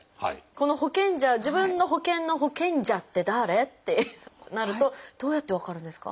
この保険者自分の保険の保険者って誰？ってなるとどうやって分かるんですか？